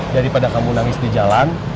daripada kamu nangis di jalan